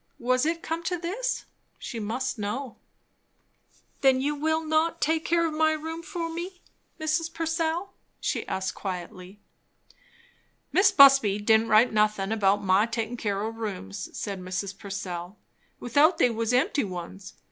Was it come to this? She must know. "Then you will not take care of my room for me, Mrs. Purcell?" she asked quietly. "Mis' Busby didn't write nothin' about my takin' care o' rooms," said Mrs. Purcell; "without they was empty ones.